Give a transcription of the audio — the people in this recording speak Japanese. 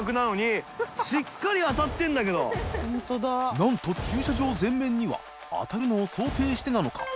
磴覆鵑駐車場前面には当たるのを想定してなのか磴